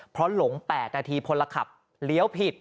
เพราะหลง๘นาทีพลขับเลี้ยวผิด